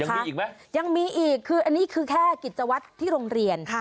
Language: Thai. ยังมีอีกไหมยังมีอีกคืออันนี้คือแค่กิจวัตรที่โรงเรียน